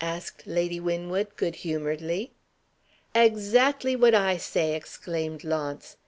asked Lady Winwood, good humoredly. "Exactly what I say!" exclaimed Launce.